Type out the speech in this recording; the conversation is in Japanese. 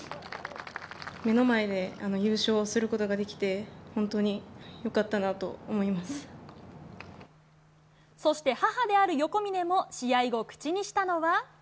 目の前で優勝することができて、そして、母である横峯も、試合後、口にしたのは。